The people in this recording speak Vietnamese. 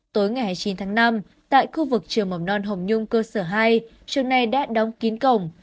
tối ngày hai mươi chín tháng năm tại khu vực trường mầm non hồng nhung cơ sở hai trường này đã đóng kín cổng